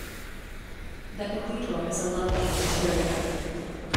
The Cathedral has a lovely interior.